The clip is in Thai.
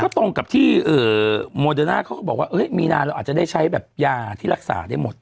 ตรงกับที่โมเดอร์น่าเขาก็บอกว่ามีนาเราอาจจะได้ใช้แบบยาที่รักษาได้หมด